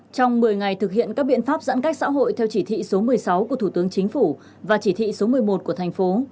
trong một mươi ngày thực hiện các biện pháp giãn cách xã hội theo chỉ thị số một mươi sáu của thủ tướng chính phủ và chỉ thị số một mươi một của thành phố